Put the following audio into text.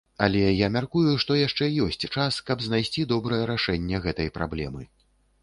Але я мяркую, што яшчэ ёсць час, каб знайсці добрае рашэнне гэтай праблемы.